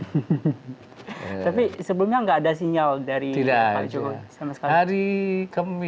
tapi sebelumnya tidak ada sinyal dari pak jokowi